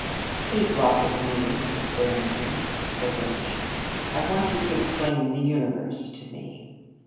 "Please walk with me, Miss Barrington," said Wickersham. "I want you to explain the universe to me."